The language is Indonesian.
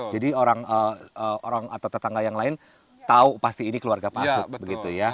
jadi orang atau tetangga yang lain tahu pasti ini keluarga pak asut